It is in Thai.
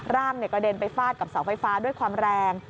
ร่างกระเด็นไปฟาดกับเสาไฟฟ้าด้วยความแรง